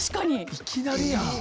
いきなりやん。